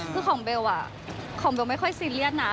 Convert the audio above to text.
คือของเบลของเบลไม่ค่อยซีเรียสนะ